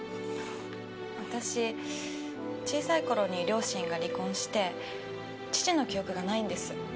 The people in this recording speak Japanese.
私小さい頃に両親が離婚して父の記憶がないんです。